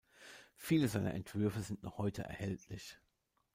Viele seiner Entwürfe sind noch heute erhältlich.